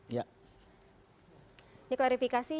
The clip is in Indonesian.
ini klarifikasi yang